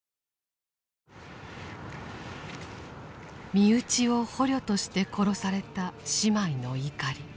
身内を捕虜として殺された姉妹の怒り。